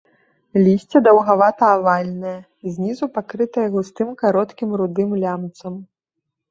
Лісце даўгавата-авальнае, знізу пакрытае густым кароткім рудым лямцам.